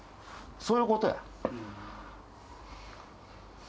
そういうことや。